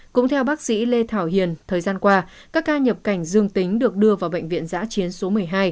cũng theo bác sĩ lê thảo hiền thời gian qua các ca nhập cảnh dương tính được đưa vào bệnh viện giã chiến số một mươi hai